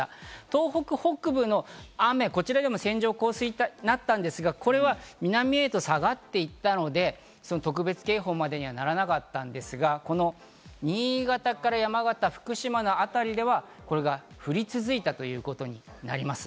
東北北部の雨、こちらでも線状降水帯になったんですが、これは南へと下がっていたので、特別警報までにはならなかったんですが、この新潟から山形、福島のあたりではこれが降り続いたということになります。